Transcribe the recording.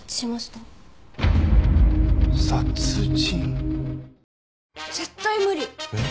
「殺人」。